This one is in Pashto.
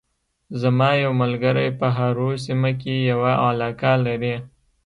زما یو ملګری په هارو سیمه کې یوه علاقه لري